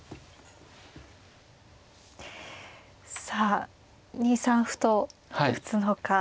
さあ２三歩と打つのか。